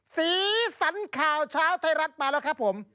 สีสันข่าวเช้าไทยรัฐมาแล้วครับผม